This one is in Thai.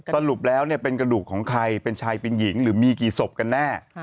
สรุปแล้วเป็นกระดูกของใครเป็นชายเป็นหญิงหรือมีกี่ศพกันแน่